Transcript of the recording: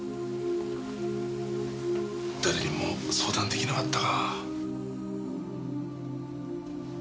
誰にも相談出来なかったか。